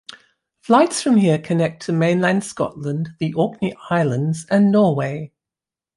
Flights from here connect to mainland Scotland, the Orkney Islands and Norway.